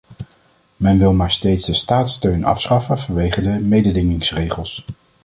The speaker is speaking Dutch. Men wil maar steeds de staatssteun afschaffen vanwege de mededingingsregels.